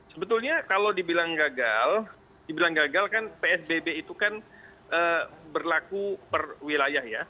sebetulnya kalau dibilang gagal dibilang gagal kan psbb itu kan berlaku per wilayah ya